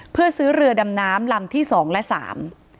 เพื่อซื้อเรือดำน้ำลำที่สองและสาม